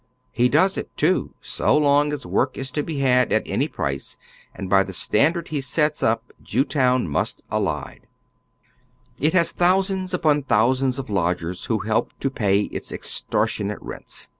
He does it, too, so long as work is to be had at any price, and by the standard he sets up Jewtown must abide. oy Google THE SWEATERS OF JEWTOWN. 133 It has thousands upon thousands of lodgers who help to pay its extortionate rents.